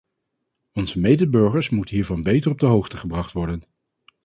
Onze medeburgers moeten hiervan beter op de hoogte gebracht worden.